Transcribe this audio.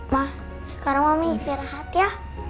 ma sekarang mami harus irahat ya